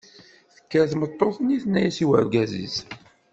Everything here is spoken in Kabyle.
Tekker tmeṭṭut-nni tenna-as i urgaz-is.